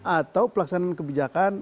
atau pelaksanaan kebijakan